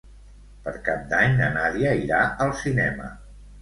Per Cap d'Any na Nàdia irà al cinema.